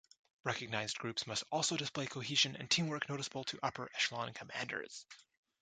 Recognized groups must also display cohesion and teamwork noticeable to upper echelon commanders.